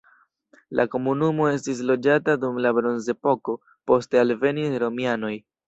La komunumo estis loĝata dum la bronzepoko, poste alvenis romianoj.